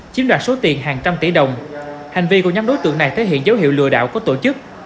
chiếm đoạt số tiền hàng trăm tỷ đồng hành vi của nhóm đối tượng này thể hiện dấu hiệu lừa đảo của tổ chức